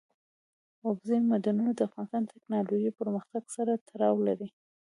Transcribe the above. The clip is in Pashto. اوبزین معدنونه د افغانستان د تکنالوژۍ پرمختګ سره تړاو لري.